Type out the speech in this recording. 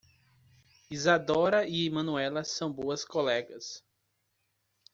Isadora e Manuela são boas colegas.